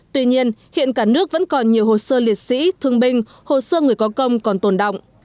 tuy nhiên hiện cả nước vẫn còn nhiều hồ sơ liệt sĩ thương binh hồ sơ người có công còn tồn động